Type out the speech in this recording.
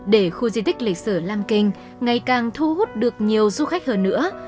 để khu di tích lịch sử lam kinh ngày càng thu hút được nhiều du khách hơn nữa